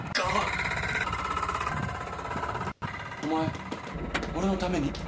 お前俺のために？